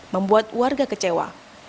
membuat warga kecewa